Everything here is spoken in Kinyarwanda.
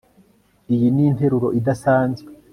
Iyi ni interuro idasanzwe